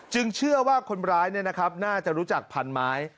จึงเชื่อว่าคนร้ายเนี่ยนะครับน่าจะรู้จักพันไม้